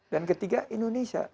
dan ketiga indonesia